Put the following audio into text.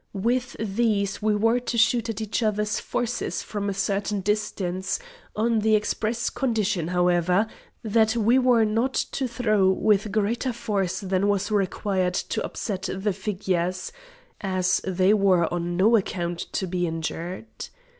With these we were to shoot at each other's forces from a certain distance, on the express condition, however, that we were not to throw with greater force than was required to upset the figures, as they were on no account to be injured.